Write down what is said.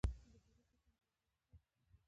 د ژور زخم لپاره باید څه شی وکاروم؟